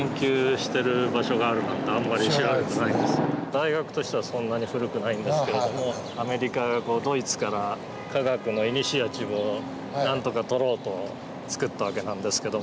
大学としてはそんなに古くないんですけれどもアメリカがドイツから科学のイニシアチブをなんとか取ろうと作った訳なんですけども。